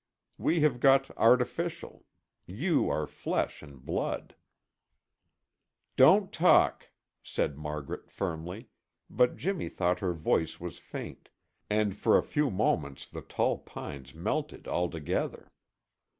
We have got artificial; you are flesh and blood " "Don't talk!" said Margaret firmly, but Jimmy thought her voice was faint, and for a few moments the tall pines melted altogether.